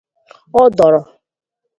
ọ dọrọ